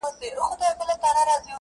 شرنګول د دروازو یې ځنځیرونه -